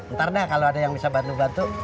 ntar dah kalau ada yang bisa bantu bantu